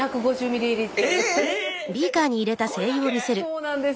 そうなんです。